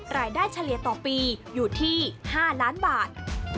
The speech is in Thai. เฉลี่ยต่อปีอยู่ที่๕ล้านบาท